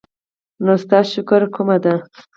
نو ستا شکر کومه دی؟